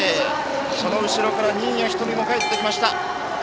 その後ろから新谷仁美が入ってきました。